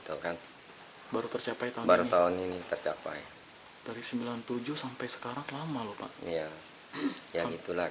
aku datang memenuhi allah